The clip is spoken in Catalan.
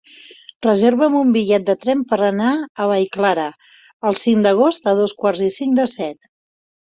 Reserva'm un bitllet de tren per anar a Vallclara el cinc d'agost a dos quarts i cinc de set.